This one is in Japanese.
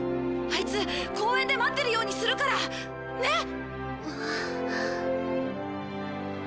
アイツ公園で待ってるようにするから。ね？